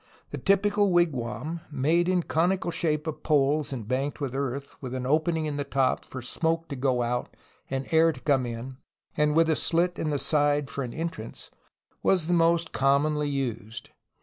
The typical wigwam, made in conical shape of poles and banked with earth, with an opening in the top for smoke to go out and air to come in, and with a slit in the side for an entrance, was most com monly used.